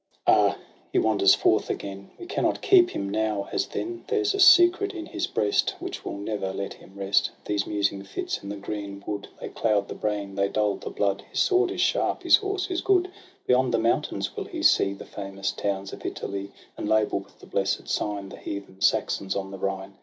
....* Ah ! he wanders forth again ; We cannot keep him; now, as then. There's a secret in his breast Which will never let him rest. These musing fits in the green wood 202 TRISTRAM AND ISEULT. They cloud the brain, they dull the blood. — His sword is sharp, his horse is good; Beyond the mountains will he see The famous towns of Italy, And label with the blessed sign The heathen Saxons on the Rhine.